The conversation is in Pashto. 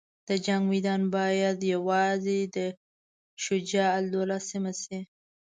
د جنګ میدان باید یوازې د شجاع الدوله سیمه شي.